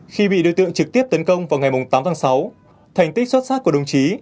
khi bị đối tượng trực tiếp tấn công vào ngày tám tháng sáu thành tích xuất sắc của đồng chí